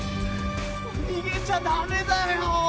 逃げちゃ駄目だよ！